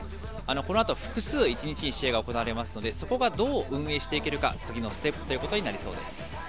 このあと複数、１日に試合が行われますので、そこがどう運営していけるか、次のステップということになりそうです。